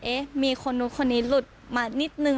มีคนนู้นคนนี้หลุดมานิดนึง